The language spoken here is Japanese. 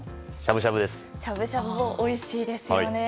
しゃぶしゃぶもおいしいですね。